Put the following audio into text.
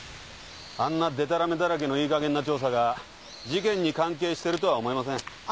あんなでたらめだらけのいいかげんな調査が事件に関係しているとは思えません。